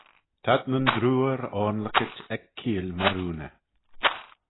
t'ad nyn droor oanluckit ec keeill Marooney.